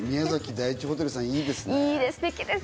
第一ホテルさん、いいですね。